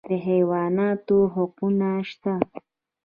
د حیواناتو حقونه شته